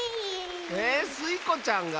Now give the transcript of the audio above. えスイ子ちゃんが？